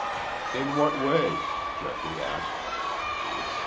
"In what way?" Geoffrey asked.